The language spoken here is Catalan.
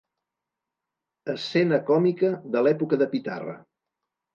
Escena còmica de l'època de Pitarra.